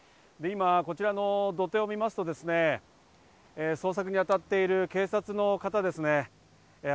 今こちらの土手を見ますと捜索に当たっている警察の方ですね。